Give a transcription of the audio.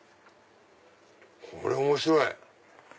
これ面白い！